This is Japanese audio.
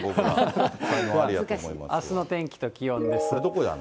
あすの天気と気温です。